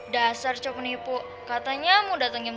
dasar coba nipu katanya mau dateng jam tujuh